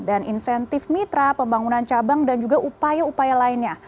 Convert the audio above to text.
dan insentif mitra pembangunan cabang dan juga upaya upaya lainnya